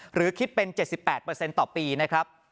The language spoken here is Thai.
หรือคิดเป็น๗๘ต่อปีนะครับ